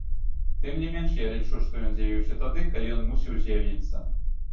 Тым не менш, я лічу, што ён з'явіўся тады, калі ён мусіў з'явіцца.